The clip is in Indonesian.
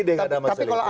tidak ada masalah